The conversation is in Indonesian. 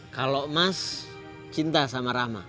kalau mas cinta sama rama